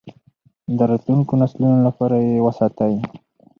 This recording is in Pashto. د راتلونکو نسلونو لپاره یې وساتئ.